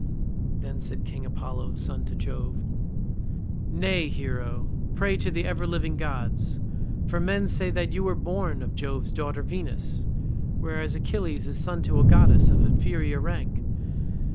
Then said King Apollo, son to Jove, "Nay, hero, pray to the ever living gods, for men say that you were born of Jove's daughter Venus, whereas Achilles is son to a goddess of inferior rank.